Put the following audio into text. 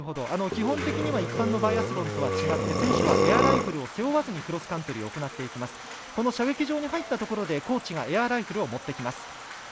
基本的には一般のバイアスロンとは違って選手はエアライフルを背負わずにクロスカントリーをこの射撃場に入ったところでコーチがエアライフルを持ってきます。